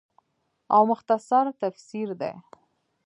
او مختصر تفسير دے